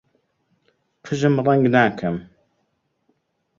قژم ڕەنگ ناکەم.